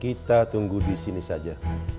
kita tunggu disini saja